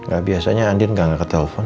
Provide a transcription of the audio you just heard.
gak biasanya andiin gak ngekelepon